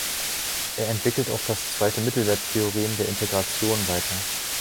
Er entwickelt auch das zweite Mittelwerttheorem der Integration weiter.